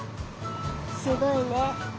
すごいね。